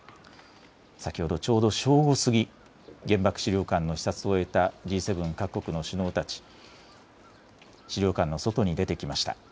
先ほどちょうど正午過ぎ原爆資料館の視察を終えたＧ７各国の首脳たち、資料館の外に出てきました。